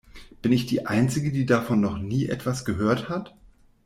Bin ich die einzige, die davon noch nie etwas gehört hat?